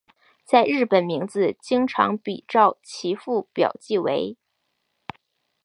在日本名字经常比照其父表记为。